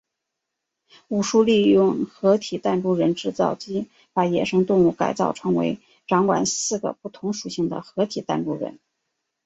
武殊利用合体弹珠人制造机把野生动物改造成为掌管四个不同属性的合体弹珠人。